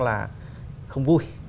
là không vui